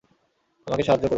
আমাকে সাহায্য করুন।